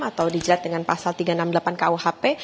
atau dijerat dengan pasal tiga ratus enam puluh delapan kuhp